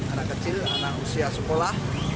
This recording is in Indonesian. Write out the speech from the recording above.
anak kecil anak usia sekolah